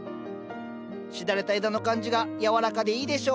しだれた枝の感じがやわらかでいいでしょ？